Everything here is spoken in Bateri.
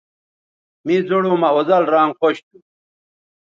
مے زوڑوں مہ اوزل رانگ خوش تھو